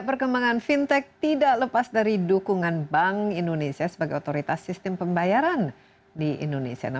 perkembangan fintech tidak lepas dari dukungan bank indonesia sebagai otoritas sistem pembayaran di indonesia